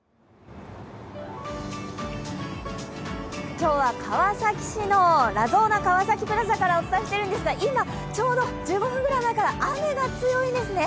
今日は川崎市のラゾーナ川崎プラザからお伝えしているんですが、今、ちょうど１５分ぐらい前から雨が強いんですね。